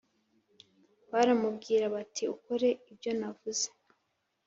Baramubwira bati ukore ibyonavuze